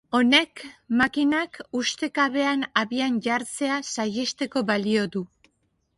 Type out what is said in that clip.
Honek makinak ustekabean abian jartzea saihesteko balio du.